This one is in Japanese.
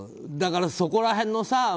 だからそこら辺の。